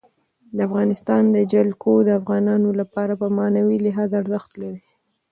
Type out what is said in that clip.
د افغانستان جلکو د افغانانو لپاره په معنوي لحاظ ارزښت لري.